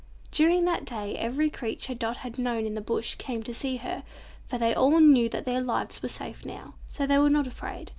During that day every creature Dot had known in the Bush came to see her, for they all knew that their lives were safe now, so they were not afraid.